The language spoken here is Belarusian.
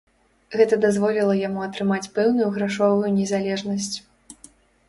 Гэта дазволіла яму атрымаць пэўную грашовую незалежнасць.